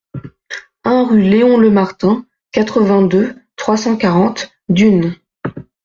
un rue Léon Lemartin, quatre-vingt-deux, trois cent quarante, Dunes